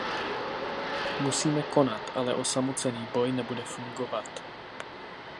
Musíme konat, ale osamocený boj nebude fungovat.